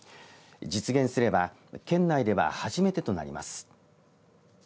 実現すれば県内では初めてとなります。